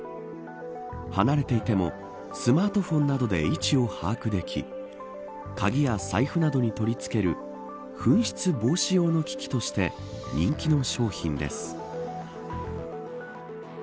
離れていてもスマートフォンなどで位置を把握でき鍵や財布などに取り付ける紛失防止用の機器として人気の商品です。